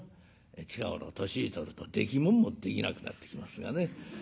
近頃年取るとできもんもできなくなってきますがね。